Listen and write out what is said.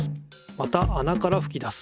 またあなからふき出す。